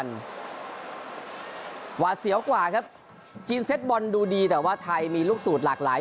จากว่าครับจีนเซตบอลดูดีแต่ว่าไทยมีลูกศูนย์หลากหลาย